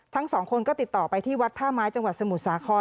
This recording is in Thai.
ทั้งสองคนก็ติดต่อไปที่วัดท่าไม้จังหวัดสมุทรสาคร